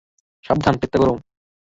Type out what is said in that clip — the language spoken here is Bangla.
সাবধানে, প্লেটটা গরম।